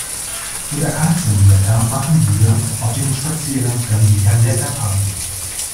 Mit Akazienblätter machen wir auf dem Spaziergang dann wieder Blätterparty.